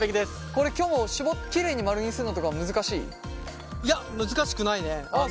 これきょもきれいに丸にするのとか難しい？いや難しくないね。